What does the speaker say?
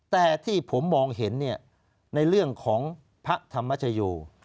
แต่ที่ผมมองเห็นในเรื่องของพระธรรมชโย